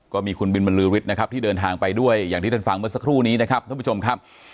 ก็มีคุณบินบรรลือฤทธิ์นะครับที่เดินทางไปด้วยอย่างที่ท่านฟังเมื่อสักครู่นี้นะครับท่านผู้ชมครับ